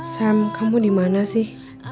sam kamu dimana sih